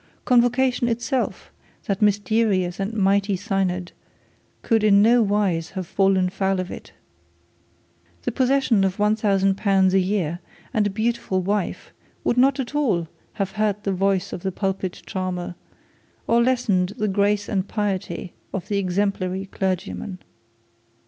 Convocation itself, that mysterious and mighty synod, could in no wise have fallen foul of it. The possession of L 1000 a year and a beautiful wife would not al all have hurt the voice of the pulpit character, or lessened the grace and piety of the exemplary clergyman.